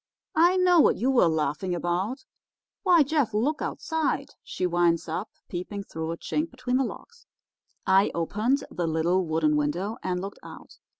I know what you were laughing about. Why, Jeff, look outside,' she winds up, peeping through a chink between the logs. I opened the little wooden window and looked out.